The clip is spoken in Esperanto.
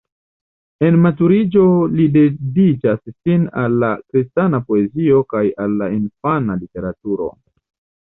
En maturiĝo li dediĉas sin al la kristana poezio kaj al la infana literaturo.